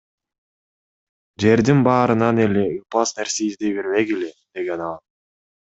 Жердин баарынан эле ыплас нерсе издей бербегиле, — деген ал.